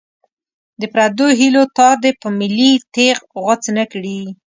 د پردو هیلو تار دې په ملي تېغ غوڅ نه کړي.